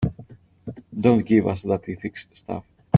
Don't give us that ethics stuff.